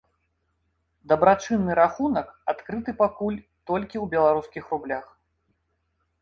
Дабрачынны рахунак адкрыты пакуль толькі ў беларускіх рублях.